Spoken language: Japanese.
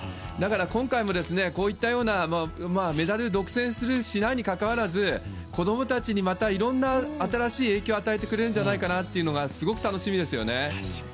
だから今回もこういったようなメダル独占するしないにかかわらず子供たちにまたいろんな新しい影響を与えてくれるんじゃないかとすごく楽しみですよね。